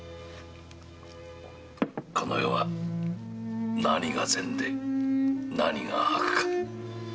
この世は何が善で何が悪か。